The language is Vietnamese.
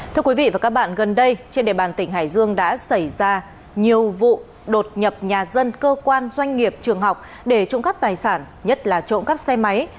thưa quý vị và các bạn gần đây trên đề bàn tỉnh hải dương đã xảy ra nhiều vụ đột nhập nhà dân cơ quan doanh nghiệp trường học để trộm cắp tài sản nhất là trộm cắp xe máy